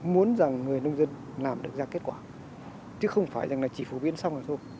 muốn rằng người nông dân làm được ra kết quả chứ không phải chỉ phổ biến xong là thôi